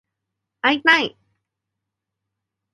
会いたい